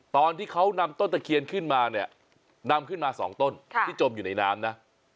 ตอนที่เขานำต้นตะเคียนขึ้นมาเนี่ยนำขึ้นมา๒ต้นที่จมอยู่ในน้ำนะ